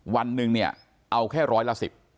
วันหนึ่งเนี่ยเอาแค่ร้อยละสิบ